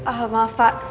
oh maaf pak